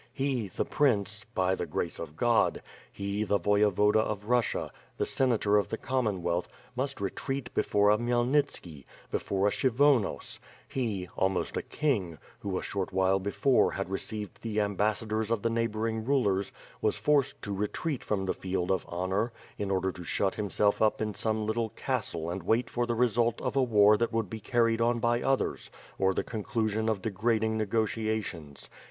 He, the prince, "By the Grace of God," — he ,the Voyevoda of Russia, the Senator of the Common wealth, must retreat before a Khymelnitski, before a Kshy vonos; he, almost a king, who, a short while before, had re ceived the ambassadors of the neighboring rulers, was forced to retreat from the field of honor; in order to shut himselr up in some little castle and wait for the result of a war that would be carried on by others, or the conclusion of degrading negotiations.